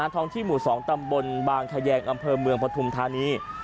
ท้องที่หมู่๒ตำบลบางแขยงอำเภอเมืองปฐุมธานี